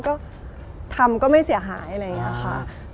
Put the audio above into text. ก็ทำก็ไม่เสียหายอะไรอย่างนี้ค่ะ